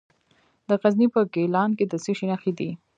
د غزني په ګیلان کې د څه شي نښې دي؟